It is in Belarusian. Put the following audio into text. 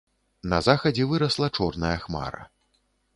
На захадзе вырасла чорная хмара.